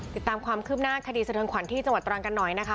ติดตามความคืบหน้าคดีสะเทินขวัญที่จังหวัดตรังกันหน่อยนะคะ